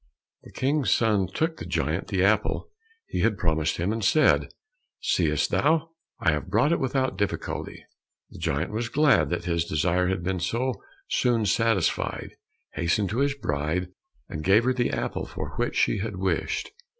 The King's son took the giant the apple he had promised him, and said, "Seest thou, I have brought it without difficulty." The giant was glad that his desire had been so soon satisfied, hastened to his bride, and gave her the apple for which she had wished.